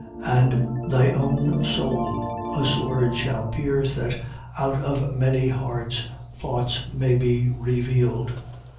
And thy own soul a sword shall pierce, that, out of many hearts thoughts may be revealed.